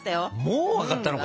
もう分かったの？